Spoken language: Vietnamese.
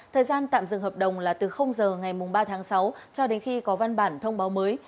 thời gian tạm dừng hợp đồng là từ giờ ngày ba tháng sáu cho đến khi có văn bản thông báo mới